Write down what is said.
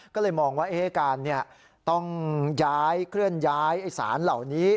ก็เลยมองว่าการต้องย้ายเคลื่อนย้ายสารเหล่านี้